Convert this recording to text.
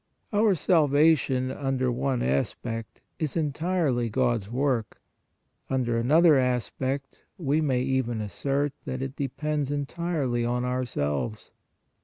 Our salvation, under one aspect, is entirely God s work; under another aspect, we may even assert, that it depends entirely on ourselves.